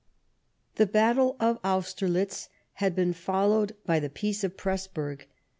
The battle of Austerlitz had been followed by the Peace of Pressburg.